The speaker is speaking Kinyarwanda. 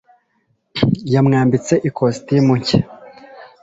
yamwambitse ikositimu nshya